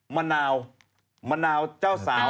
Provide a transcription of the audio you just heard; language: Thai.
มะนาวมะนาวเจ้าสาว